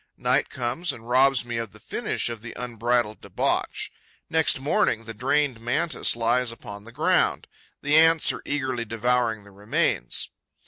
Night comes and robs me of the finish of the unbridled debauch. Next morning, the drained Mantis lies upon the ground. The Ants are eagerly devouring the remains.